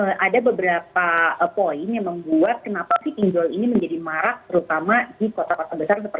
oke jadi data terakhir nih yang saya himpun pertama ada beberapa poin yang membuat kenapa sih pinjol ini menjadi marak terutama di kota kota besar seperti jawa tenggara